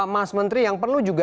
mas menteri yang perlu juga